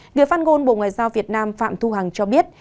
người phát ngôn bộ ngoại giao việt nam phạm thu hằng cho biết